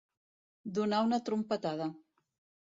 Donar una trompetada.